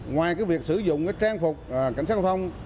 ngoài việc sử dụng trang phục cảnh sát giao thông